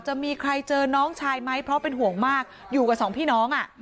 จะมีใครเจอน้องชายไหมเพราะเป็นห่วงมากอยู่กับสองพี่น้องอ่ะ